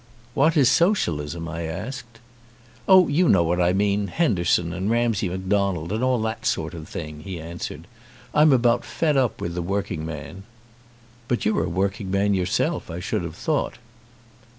"What is socialism?" I asked. "Oh, you know what I mean, Henderson and Ramsay Macdonald and all that sort of thing," he answered. "I'm about fed up with the working man." "But you're a working man yourself, I should have thought."